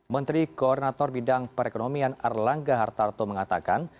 menteri koordinator bidang perekonomian erlangga hartarto mengatakan